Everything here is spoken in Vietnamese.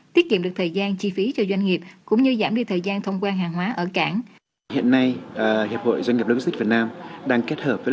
tiết kiệm được thời gian chi phí cho doanh nghiệp cũng như giảm đi thời gian thông quan hàng hóa ở cảng